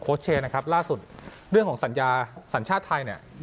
เชนะครับล่าสุดเรื่องของสัญญาสัญชาติไทยเนี่ย